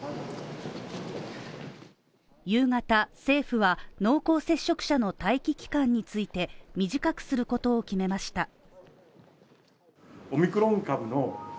夕方、政府は濃厚接触者の待機期間について短くすることを決めました。